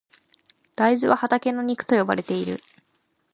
大豆は畑の肉と呼ばれている。